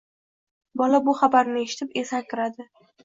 Bola bu xabarni eshitib, esankiradi